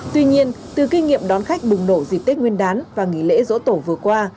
tuy nhiên từ kinh nghiệm đón khách bùng nổ dịp tết nguyên đán và nghỉ lễ dỗ tổ vừa qua